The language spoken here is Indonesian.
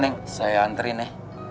neng saya anterin ya